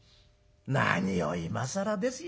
何を今更ですよ